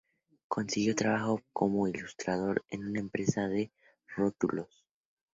Consiguió trabajo como ilustrador en una empresa de rótulos.